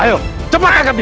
ayo cepatkan ke dia